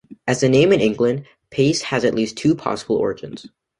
As a name in England, Pace has at least two possible origins.